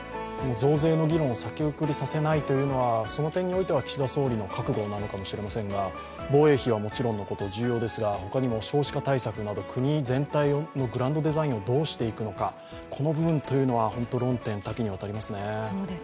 増税の議論を先送りさせないというのはその点においては岸田総理の覚悟なのかもしれませんが防衛費はもちろんのこと重要ですがほかにも少子化対策など、国全体のグランドデザインをどうしていくのか、この部分の論点は多岐にわたりますね。